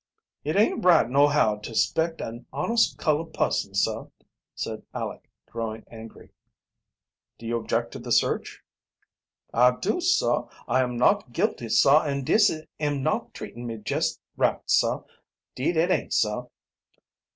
"It aint right nohow to 'spect an honest colored pusson, sah," said Aleck, growing angry. "Do you object to the search?" "I do, sah. I am not guilty, sah, an' dis am not treatin' me jest right, sah, 'deed it aint, sah."